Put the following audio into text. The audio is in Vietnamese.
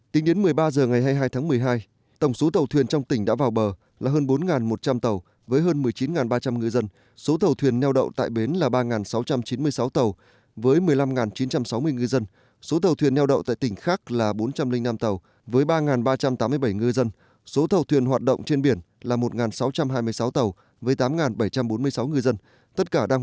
tính đến một mươi ba giờ ngày hai mươi hai tháng một mươi hai tổng số tàu thuyền trong tỉnh đã vào bờ là hơn bốn một trăm linh tàu với hơn một mươi chín ba trăm linh người dân